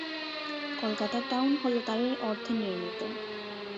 কলকাতার টাউন হলও তারই অর্থে নির্মিত।